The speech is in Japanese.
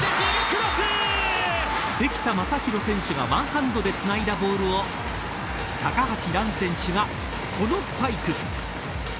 関田誠大選手がハンドでつないだボールを高橋藍選手がこのスパイク。